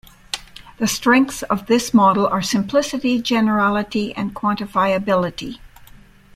The strengths of this model are simplicity, generality, and quantifiability.